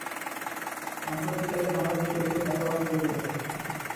সাম্প্রতিককালে বাংলাদেশে এটির চাষাবাদ শুরু হয়েছে।